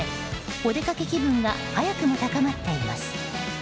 お出かけ気分が早くも高まっています。